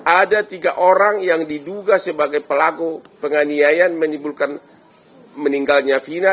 ada tiga orang yang diduga sebagai pelaku penganiayaan menimbulkan meninggalnya vina